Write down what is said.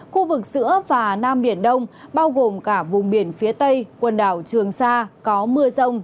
khu vực giữa và nam biển đông bao gồm cả vùng biển phía tây quần đảo trường sa có mưa rông